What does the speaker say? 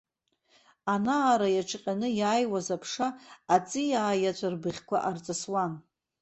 Ана-ара иаҿҟьаны иааиуаз аԥша, аҵиаа иаҵәа рбыӷьқәа арҵысуан.